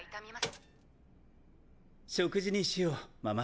食事にしようママ。